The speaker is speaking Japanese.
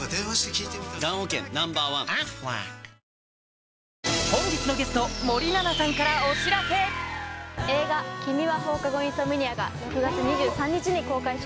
えっ⁉本日のゲスト映画『君は放課後インソムニア』が６月２３日に公開します。